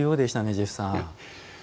ジェフさん。